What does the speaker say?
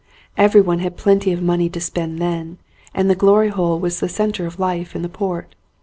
Everyone had plenty of money to spend then, and the Glory Hole was the centre of life in the port.